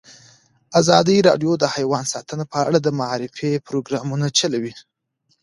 ازادي راډیو د حیوان ساتنه په اړه د معارفې پروګرامونه چلولي.